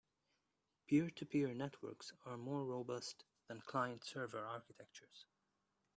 Peer-to-peer networks are more robust than client-server architectures.